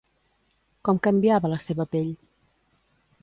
Com canviava la seva pell?